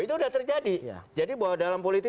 itu sudah terjadi jadi bahwa dalam politik